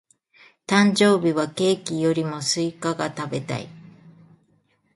誕生日はケーキよりもスイカが食べたい。